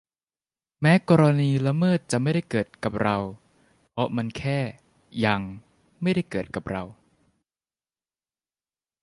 แม้กรณีละเมิดจะไม่ได้เกิดกับเรา เพราะมันแค่ "ยัง" ไม่ได้เกิดกับเรา